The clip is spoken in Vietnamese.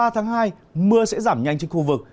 tháng hai mưa sẽ giảm nhanh trên khu vực